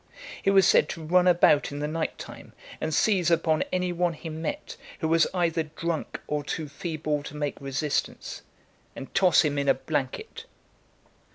He was said to run about in the night time, and seize upon any one he met, who was either drunk or too feeble to make resistance, and toss him in a blanket .